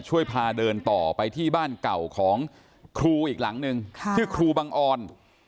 พาเดินต่อไปที่บ้านเก่าของครูอีกหลังนึงชื่อครูบังออน